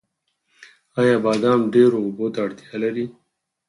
آیا بادام ډیرو اوبو ته اړتیا لري؟